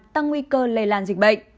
tăng nguy cơ lây làn dịch bệnh